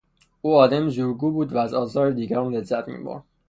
او آدمی زورگو بود و از آزار دیگران لذت میبرد.